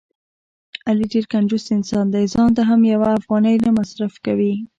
علي ډېر کنجوس انسان دی.ځانته هم یوه افغانۍ نه مصرف کوي.